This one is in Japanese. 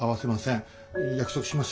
約束します。